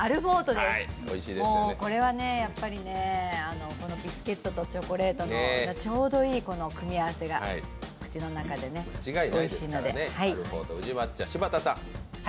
これは、ビスケットとチョコレートのちょうどいい組み合わせが口の中でね、おいしいので。